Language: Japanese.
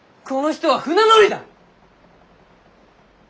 この人は船乗りだ！